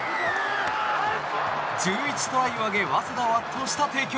１１トライを挙げ早稲田を圧倒した帝京。